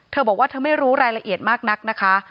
เธอบอกว่าเธอไม่รู้รายละเอียดมากนักนะคะ